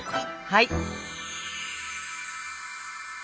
はい。